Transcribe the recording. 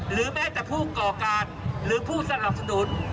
แม้แต่ผู้ก่อการหรือผู้สนับสนุน